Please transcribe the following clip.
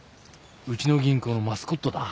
うちの銀行のマスコットだ。